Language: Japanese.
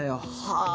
はあ？